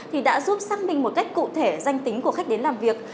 thì đã giúp xác minh một cách cụ thể danh tính của khách đến làm việc